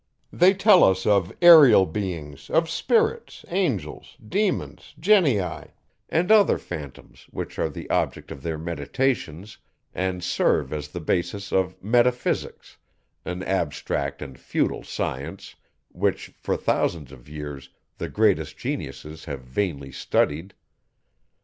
They tell us "of aerial beings, of spirits, angels, demons, genii," and other phantoms, which are the object of their meditations, and serve as the basis of metaphysics, an abstract and futile science, which for thousands of years the greatest geniuses have vainly studied.